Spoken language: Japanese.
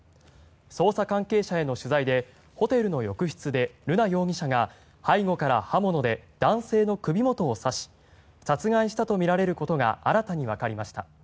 捜査関係者への取材でホテルの浴室で瑠奈容疑者が背後から刃物で男性の首元を刺し殺害したとみられることが新たにわかりました。